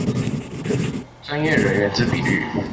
專業人員之比率